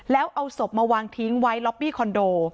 แล้วเอาศพมาวางทิ้งไว้ล็อบบี้คอนโด